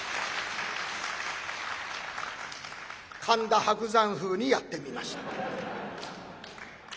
神田伯山風にやってみました。